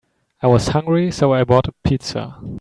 I was hungry, so I bought a pizza.